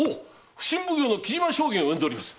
普請奉行の木島将監を呼んでおります。